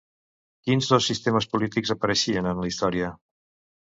Quins dos sistemes polítics apareixien en la història?